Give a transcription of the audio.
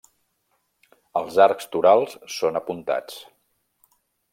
Els arcs torals són apuntats.